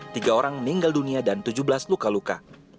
tiga orang meninggal dunia dan tujuh belas luka luka